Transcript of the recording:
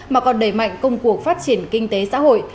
mà còn đẩy mạnh công cuộc phát triển kinh tế xã hội